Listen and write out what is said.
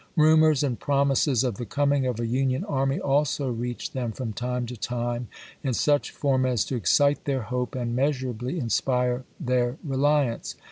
Eumors and promises of the coming of a Union army also reached them from time to time in such form as to excite their hope and measurably inspu'e their reliance.